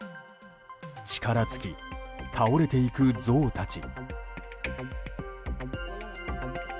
力尽き倒れていくゾウたち。